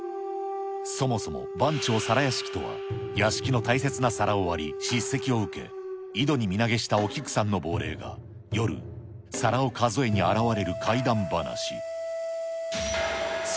そもそも番町皿屋敷とは、屋敷の大切な皿を割り、叱責を受け、井戸に身投げしたお菊さんの亡霊が夜、皿を数えに現れる怪談話。